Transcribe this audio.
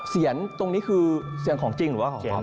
เสียงตรงนี้คือเสียงของจริงหรือว่าของเสียง